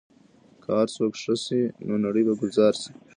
که هر څوک ښه شي، نو نړۍ به ګلزار شي.